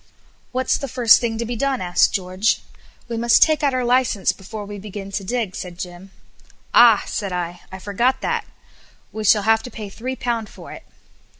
"What's the first thing to be done?" asked George. "We must take out our licence before we begin to dig," said Jim. "Ah!" said I; "I forgot that! We shall have to pay three pounds for it."